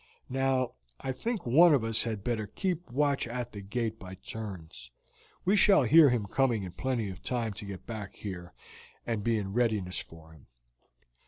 Now, I think one of us had better keep watch at the gate by turns. We shall hear him coming in plenty of time to get back here and be in readiness for him.